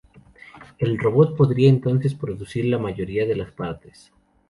El robot podría entonces producir la mayoría de las partes.